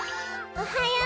おはよう！